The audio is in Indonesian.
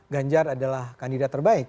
ganjar adalah kandidat terbaik